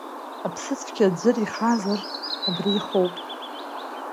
Аԥсыцқьа аӡәыр ихазар, абри ихоуп…